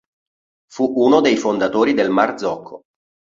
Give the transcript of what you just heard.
Fu uno dei fondatori del Marzocco.